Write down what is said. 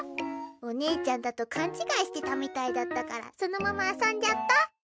お姉ちゃんだと勘違いしてたみたいだったからそのまま遊んじゃった。